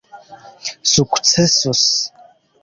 sukcesos